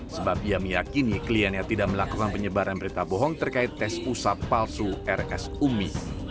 sebab ia meyakini kliennya tidak melakukan penyebaran berita bohong terkait tes usap palsu rs umi